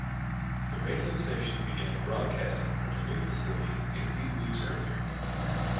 The radio stations began broadcasting from the new facility a few weeks earlier.